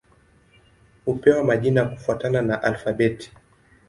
Hupewa majina kufuatana na alfabeti.